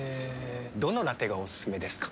どのラテがおすすめですか？